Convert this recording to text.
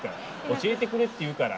教えてくれって言うから。